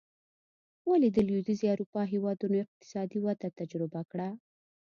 ولې د لوېدیځې اروپا هېوادونو اقتصادي وده تجربه کړه.